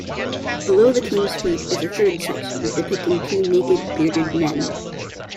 Below the king's feet is a third section, depicting two naked, bearded men.